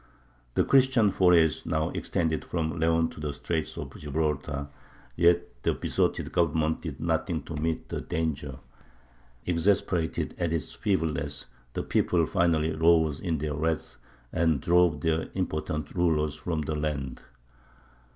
The Christian forays now extended from Leon to the Straits of Gibraltar, yet the besotted government did nothing to meet the danger. Exasperated at its feebleness, the people finally rose in their wrath and drove their impotent rulers from the land.